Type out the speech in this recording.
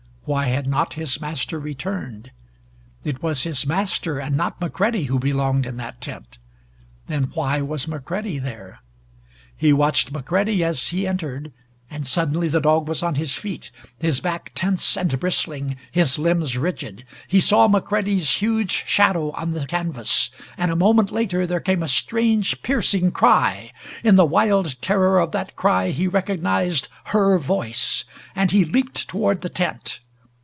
Why had not his master returned? It was his master, and not McCready, who belonged in that tent. Then why was McCready there? He watched McCready as he entered, and suddenly the dog was on his feet, his back tense and bristling, his limbs rigid. He saw McCready's huge shadow on the canvas, and a moment later there came a strange piercing cry. In the wild terror of that cry he recognized her voice and he leaped toward the tent.